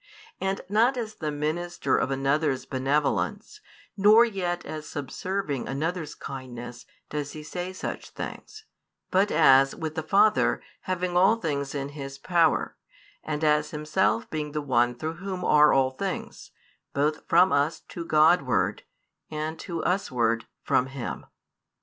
And not as the minister of another's benevolence, nor yet as subserving another's kindness, does He say such things; but as, with the Father, having all things in His power; and as Himself being the One through Whom are all things, both from us to God ward, and to us ward from Him.